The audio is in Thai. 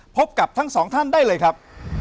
พบกับทั้งสองท่านได้เลยครับ